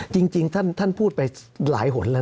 สำหรับกำลังการผลิตหน้ากากอนามัย